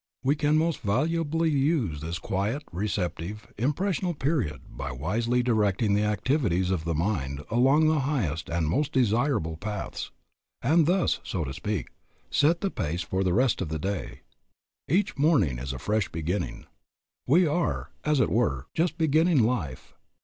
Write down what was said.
We can most valuably use this quiet, receptive, impressionable period by wisely directing the activities of the mind along the highest and most desirable paths, and thus, so to speak, set the pace for the day. Each morning is a fresh beginning. We are, as it were, just beginning life.